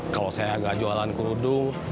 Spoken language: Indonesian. kalau saya agak jualan kerudung